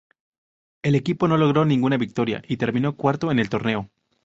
El equipo no logró ninguna victoria y terminó cuarto en el torneo.